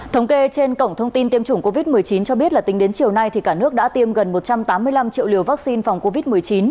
thống kê trên cổng thông tin tiêm chủng covid một mươi chín cho biết là tính đến chiều nay cả nước đã tiêm gần một trăm tám mươi năm triệu liều vaccine phòng covid một mươi chín